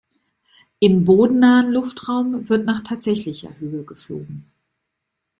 Im bodennahen Luftraum wird nach tatsächlicher Höhe geflogen.